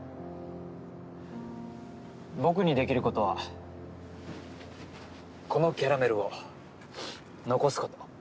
僕にできる事はこのキャラメルを残す事。